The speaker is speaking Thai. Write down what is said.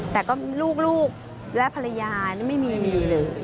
แต่ก็ลูกและภรรยาไม่มีเลย